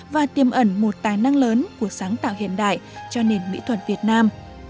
và tiêm ẩn một tài năng lớn của sáng tạo hiện đại cho nền mỹ thuật việt nam